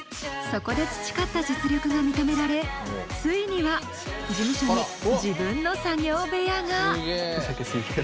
そこで培った実力が認められついには事務所に自分の作業部屋が！